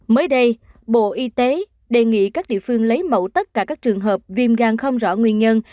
mới đây bộ y tế đề nghị các địa phương lấy mẫu tất cả các trường hợp viêm gan không rõ nguyên nhân